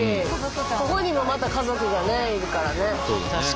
ここにもまた家族がねいるからね。